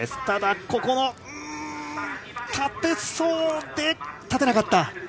ただ、ここで立てそうで立てなかった。